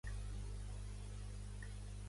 Tant Sachs com MacDonald són assassinats.